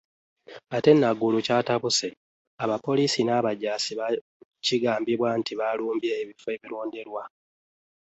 Ate e Naguru kyatabuse, abapoliisi n'abajaasi kigambibwa nti baalumbye ebifo awalonderwa